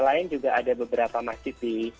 lain juga ada beberapa masjid di